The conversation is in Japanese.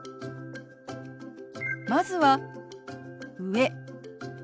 まずは「上」。